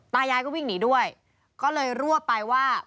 ตายายก็วิ่งหนีด้วยก็เลยรวบไปว่า